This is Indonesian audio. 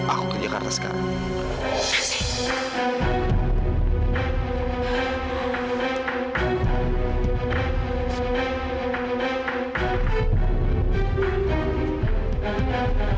aku ke jakarta sekarang